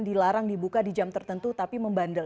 dilarang dibuka di jam tertentu tapi membandel